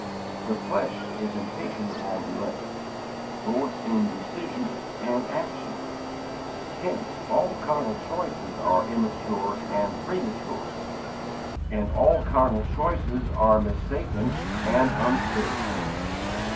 The flesh is impatient of all delay, both in decision and action; hence all carnal choices are immature and premature, and all carnal courses are mistaken and unspiritual.